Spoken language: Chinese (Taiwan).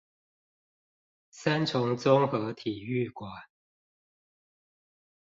三重綜合體育館